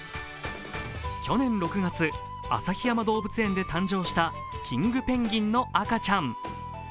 去年６月、旭山動物園で誕生したキングペンギンの赤ちゃん。